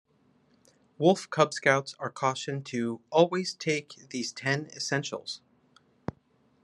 Wolf Cub Scouts are cautioned to "Always take these ten essentials:"